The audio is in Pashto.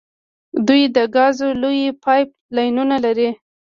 دوی د ګازو لویې پایپ لاینونه لري.